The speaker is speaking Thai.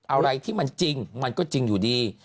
อะไรที่มันจริงมันก็จริงอยู่ดี